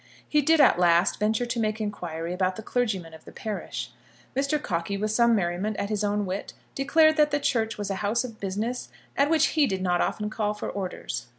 He did at last venture to make inquiry about the clergyman of the parish. Mr. Cockey, with some merriment at his own wit, declared that the church was a house of business at which he did not often call for orders.